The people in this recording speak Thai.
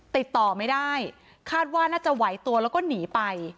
ติดต่อไม่ได้คาดว่าน่าจะไหวตัวแล้วก็หนีไป